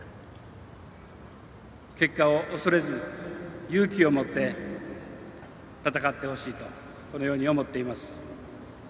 結果を恐れず、勇気を持って戦ってほしいと思っています。